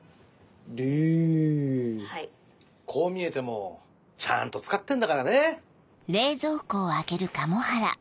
こう見えてもちゃんと使ってんだからね。